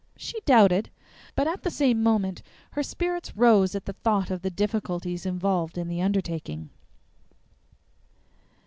She doubted, but at the same moment her spirits rose at the thought of the difficulties involved in the undertaking.